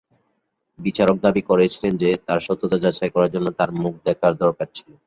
বিচারক দাবি করেছিলেন যে তার সত্যতা যাচাই করার জন্য তার মুখ দেখার দরকার ছিল।